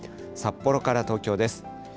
札幌から東京です。